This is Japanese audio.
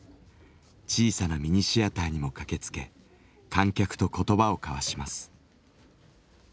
小さなミニシアターにも駆けつけ観客と言葉を交わします。